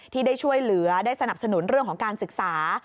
ที่ได้ช่วยเหลือได้สนับสนุนเรื่องของการศึกษา